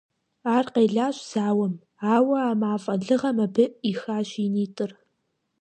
Ар къелащ зауэм, ауэ а мафӀэ лыгъэм абы Ӏихащ и нитӀыр.